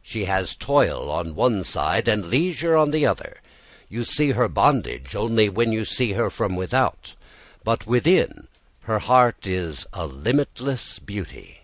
She has toil on one side and leisure on the other. You see her bondage only when you see her from without, but within her heart is a limitless beauty.